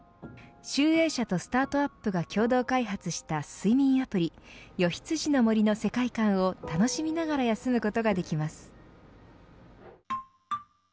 集英社とスタートアップが共同開発した睡眠アプリよひつじの森の世界観を楽しみながら休むことができます。